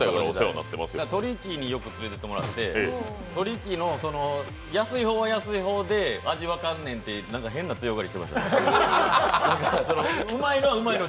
鳥貴によく連れていってもらって味分からへんって、安い方は安いほうで味分かるねんでって変な強がりしてました。